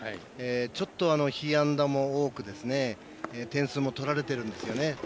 ちょっと被安打も多く点数も取られてるんですよね。